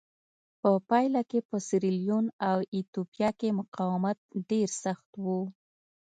په پایله کې په سیریلیون او ایتوپیا کې مقاومت ډېر سخت و.